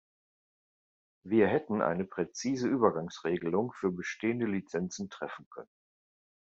Wir hätten eine präzise Übergangsregelung für bestehende Lizenzen treffen können.